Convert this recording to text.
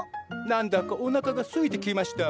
何だかおなかがすいてきました！